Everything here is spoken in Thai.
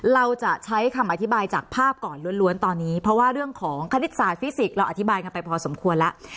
เราจะใช้คำอธิบายจากภาพก่อนล้วนตอนนี้เพราะว่าเรื่องของคณิตศาสตฟิสิกส์เราอธิบายกันไปพอสมควรแล้ว